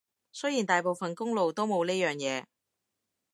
雖然大部分公路都冇呢樣嘢